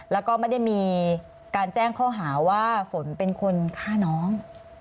แล้วก็ไม่ได้มีการแจ้งข้อหาว่าฝนเป็นคนฆ่าน้อง